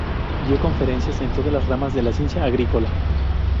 Dio conferencias en todas las ramas de la ciencia agrícola.